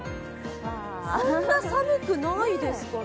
そんな寒くないですかね。